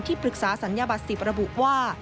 ที่ปรึกษาสัญญบัติ๑๐ระบุว่า